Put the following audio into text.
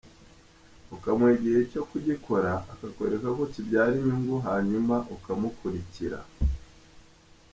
ukamuha igihe cyo kugikora akakwereka ko kibyara inyungu hanyuma ukamukurikira.